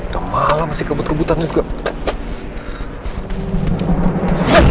kemalam masih kebut kebutannya juga